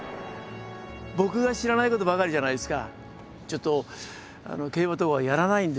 僕が知らないことばかりじゃないですか。